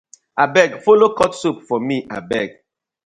Abeg follo cut soap for mi abeg.